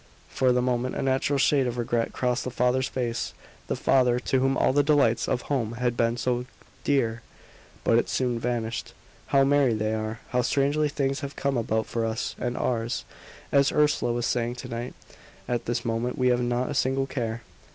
For the moment a natural shade of regret crossed the father's face, the father to whom all the delights of home had been so dear. But it soon vanished. "How merry they are! how strangely things have come about for us and ours! As Ursula was saying to night, at this moment we have not a single care."